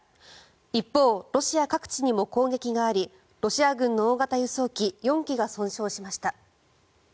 一方、ロシア各地にも攻撃がありロシア軍の大型輸送機４機が損傷しました。